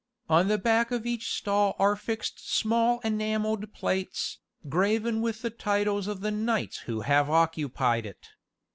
On the back of each stall are fixed small enamelled plates, graven with the titles of the knights who have occupied it.